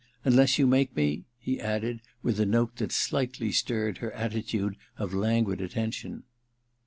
* Unless you make me ' he added, with a note that slightly stirred her attitude of languid attention.